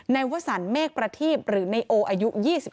นายวัฒนเมฆประทีปหรือในโออายุ๒๔